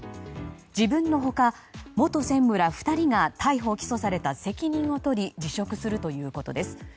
自分の他元専務ら２人が逮捕・起訴された責任を取り辞職するということです。